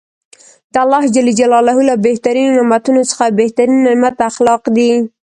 د الله ج له بهترینو نعمتونوڅخه یو بهترینه نعمت اخلاق دي .